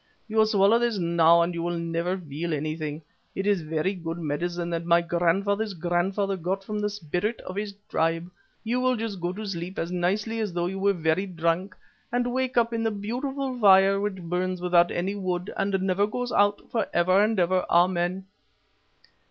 "You swallow this now and you will never feel anything; it is a very good medicine that my grandfather's grandfather got from the Spirit of his tribe. You will just go to sleep as nicely as though you were very drunk, and wake up in the beautiful fire which burns without any wood and never goes out for ever and ever, Amen."